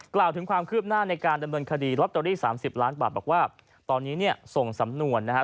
กล่าวถึงความคืบหน้าในการดำเนินคดีลอตเตอรี่๓๐ล้านบาทบอกว่าตอนนี้เนี่ยส่งสำนวนนะฮะ